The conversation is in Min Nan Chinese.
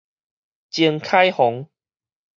鍾愷紘